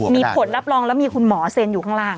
มีผลรับรองแล้วมีคุณหมอเซ็นอยู่ข้างล่าง